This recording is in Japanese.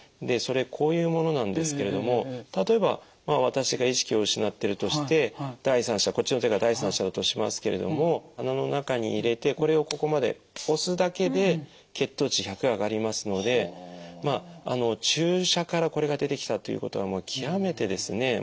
それこういうものなんですけれども例えば私が意識を失ってるとして第３者こっちの手が第３者だとしますけれども鼻の中に入れてこれをここまで押すだけで血糖値１００上がりますのでまああの注射からこれが出てきたということはもう極めてですね